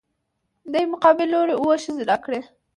دې مقابل لورى اووه ښځې راکړي.